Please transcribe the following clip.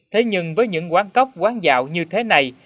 thế nhưng với những quán cóc quán dạo như thế này